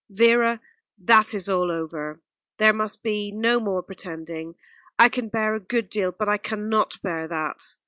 Vera, that is all over. There must be no more pretending. I can bear a good deal, but I could not bear that.